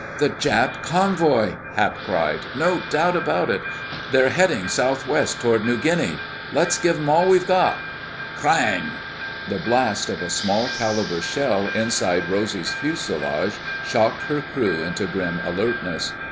"The Jap convoy!" Hap cried. "No doubt about it—they're heading southwest toward New Guinea. Let's give 'em all we've got—" CRANG! The blast of a small caliber shell inside Rosy's fuselage shocked her crew into grim alertness.